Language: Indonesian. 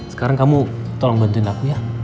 sekarang kamu tolong bantuin aku ya